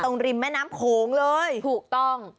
ริมแม่น้ำโขงเลยถูกต้อง